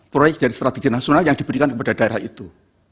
proyek dari strategi nasional yang diberikan kepada daerah itu